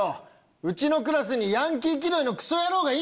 うちのクラスにヤンキー気取りのクソ野郎がいんのかよ！